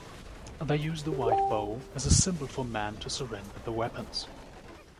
They use the white bow as a symbol for men to surrender their weapons.